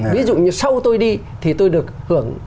ví dụ như sau tôi đi thì tôi được hưởng